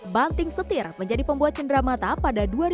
banting setir menjadi pembuat cendera mata pada dua ribu dua